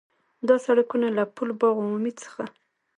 دا سړکونه له پُل باغ عمومي څخه